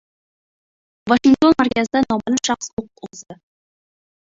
Vashington markazida noma’lum shaxs o‘q uzdi